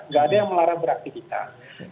nggak ada yang melarang beraktivitas